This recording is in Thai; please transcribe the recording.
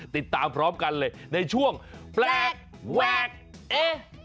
ติดตามพร้อมกันเลยในช่วงแปลกแวกเอ